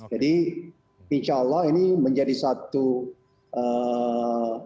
jadi insya allah ini menjadi suatu kesempatan